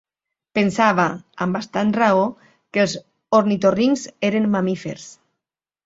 Pensava, amb bastant raó, que els ornitorrincs eren mamífers.